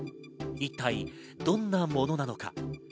一体どんなものなのか？